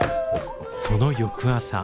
その翌朝。